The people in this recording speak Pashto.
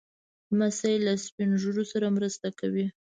لمسی له سپين ږیرو سره مرسته کوي.